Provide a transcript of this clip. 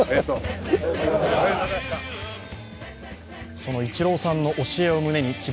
そのイチローさんの教えを胸に智弁